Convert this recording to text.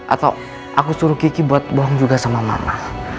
atau aku suruh kiki untuk membohong mama